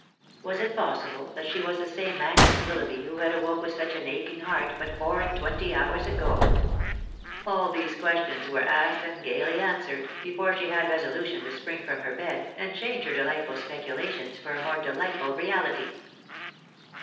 Was it possible that she was the same Agnes Wflloughby who had awoke with such an aching heart, but four and twenty hour* ago ?.•.. All these questions were asked, and gaily answered, before she had resolution to spring from her bed, and change her delightful speculations for a more delightful reality.